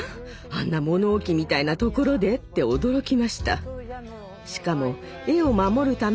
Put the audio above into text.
あんな物置みたいな所で？って驚きました。